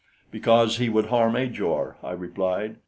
"Because he would harm Ajor," I replied.